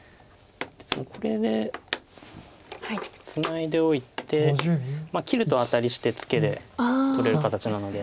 これでツナいでおいて切るとアタリしてツケで取れる形なので。